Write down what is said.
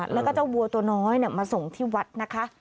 แล้วก็เจ้าวัวตัวน้อยมาส่งที่วัดนะคะ